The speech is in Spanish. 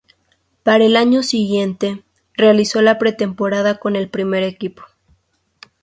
Para el año siguiente, realizó la pretemporada con el primer equipo.